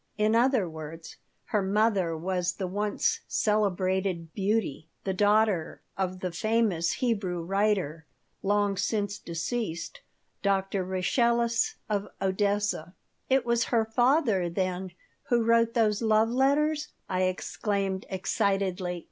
In other words, her mother was the once celebrated beauty, the daughter of the famous Hebrew writer (long since deceased), Doctor Rachaeless of Odessa "It was her father, then, who wrote those love letters!" I exclaimed, excitedly.